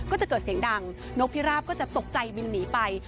ก็จะเกิดเสียงดังนกพิราบก็จะตกใจบินหนีไป